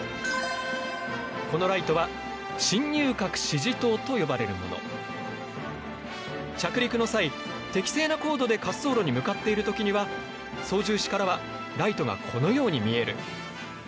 このライトは着陸の際適正な高度で滑走路に向かっている時には操縦士からはライトがこのように見える。